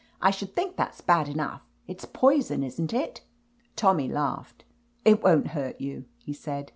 "I should think that's bad enough. It's poison, isn't it?" Tommy laughed. "It won't hurt you," he said.